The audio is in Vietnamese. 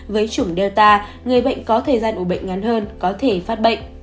với chủng delta người bệnh có thời gian ủ bệnh ngắn hơn có thể phát bệnh